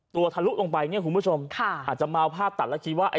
ตัวทะลุตรงไปคุณผู้ชมอาจจะมาวผ้าตัดแล้วคิดว่า